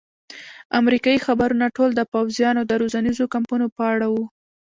امریکایي خبرونه ټول د پوځیانو د روزنیزو کمپونو په اړه وو.